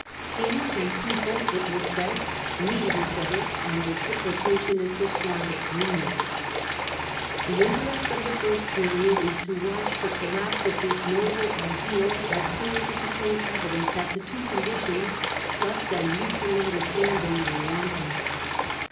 King and people, it was said, needed each other, and " reciprocation is the strongest union". The interest of the first period is to watch the collapse of this noble ideal as soon as it became evident that the two conditions, trust and mutual understanding, were wanting.